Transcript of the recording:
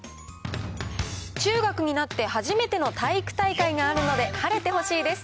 中学になって初めての体育大会があるので、晴れてほしいです。